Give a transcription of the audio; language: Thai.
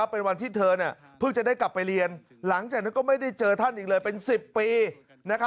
เป็นวันที่เธอเพิ่งจะได้กลับไปเรียนหลังจากนั้นก็ไม่ได้เจอท่านอีกเลยเป็น๑๐ปี